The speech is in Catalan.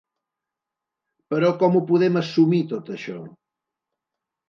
Però com ho podem assumir, tot això?